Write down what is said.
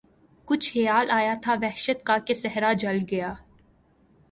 کچھ خیال آیا تھا وحشت کا کہ صحرا جل گیا